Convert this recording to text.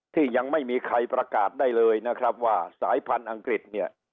ที่ยังไม่มีใครประกาศได้เลยนะครับว่าสายพันธุ์อังกฤษเนี่ย